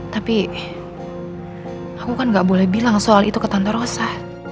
tapi aku kan gak boleh bilang soal itu ke tante rosa